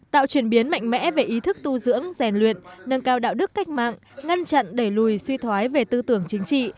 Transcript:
tạo chuyển biến mạnh mẽ về ý thức tu dưỡng rèn luyện nâng cao đạo đức cách mạng ngăn chặn đẩy lùi suy thoái về tư tưởng chính trị